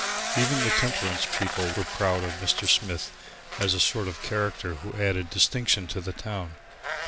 Even the temperance people were proud of Mr. Smith as a sort of character who added distinction to the town.